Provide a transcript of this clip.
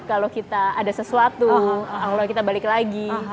kalau kita ada sesuatu alhamdulillah kita balik lagi